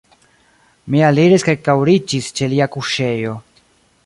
Mi aliris kaj kaŭriĝis ĉe lia kuŝejo.